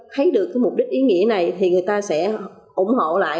thấy được cái mục đích ý nghĩa này thì người ta sẽ ủng hộ lại